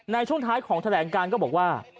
ในช่วงท้ายของแถลงการก็บอกว่า